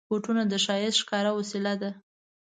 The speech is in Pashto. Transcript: بوټونه د ښایست ښکاره وسیله ده.